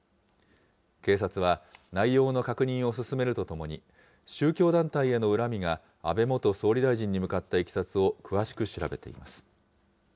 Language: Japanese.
警察は、内容の確認を進めるとともに、宗教団体への恨みが安倍元総理大臣に向かったいきさつを詳しく調べています。